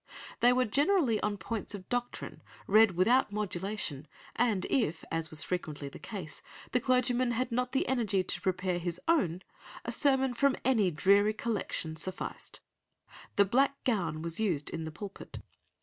They were generally on points of doctrine, read without modulation; and if, as was frequently the case, the clergyman had not the energy to prepare his own, a sermon from any dreary collection sufficed. The black gown was used in the pulpit.